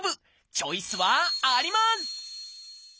チョイスはあります！